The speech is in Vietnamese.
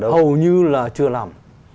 hầu như là chưa làm